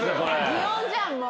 擬音じゃんもう。